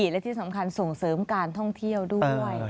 และที่สำคัญส่งเสริมการท่องเที่ยวด้วย